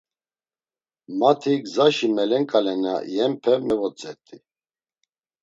Mati gzaşi melen ǩale na iyenpe mevotzert̆i.